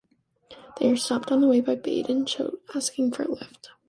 They are stopped on the way by Bade and Chote, asking for a lift.